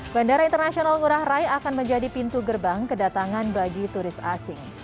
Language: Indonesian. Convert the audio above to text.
bandara internasional ngurah rai akan menjadi pintu gerbang kedatangan bagi turis asing